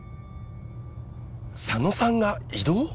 佐野さんが異動？